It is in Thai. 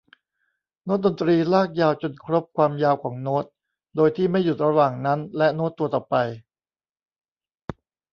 โน้ตดนตรีลากยาวจนครบความยาวของโน้ต โดยที่ไม่หยุดระหว่างนั้นและโน้ตตัวต่อไป